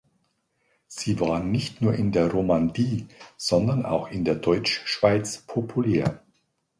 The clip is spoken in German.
Sie waren nicht nur in der Romandie, «sondern auch in der Deutschschweiz populär».